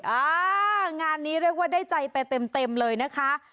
อ่างานนี้เรียกว่าได้ใจไปเต็มเลยนะคะ